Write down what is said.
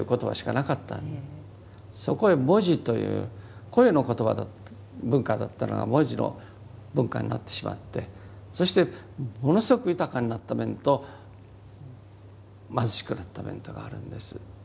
そこへ文字という声の言葉だった文化だったのが文字の文化になってしまってそしてものすごく豊かになった面と貧しくなった面とがあるんです。